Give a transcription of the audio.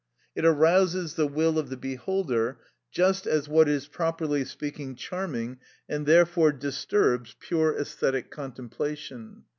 It arouses the will of the beholder, just as what is properly speaking charming, and therefore disturbs pure æsthetic contemplation.